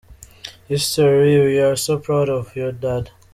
History! We are so proud of you dad.